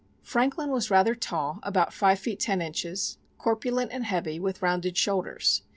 Franklin was rather tall (about five feet ten inches), corpulent and heavy, with rounded shoulders.